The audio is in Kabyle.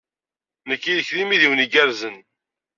Nekk yid-k d imidiwen igerrzen.